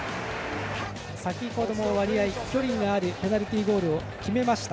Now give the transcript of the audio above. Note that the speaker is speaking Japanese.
先ほども割合、距離があるペナルティゴールを決めました。